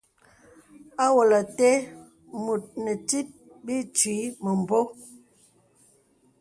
Awòlə̀ te mùt nè tit bə itwǐ mə̀mbō.